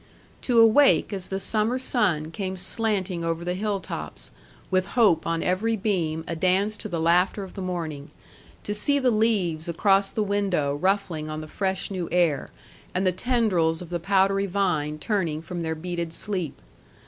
To awake as the summer sun came slanting over the hill tops, with hope on every beam adance to the laughter of the morning; to see the leaves across the window ruffling on the fresh new air, and the tendrils of the powdery vine turning from their beaded sleep.